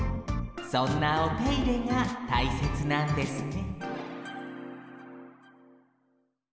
そんなおていれがたいせつなんですね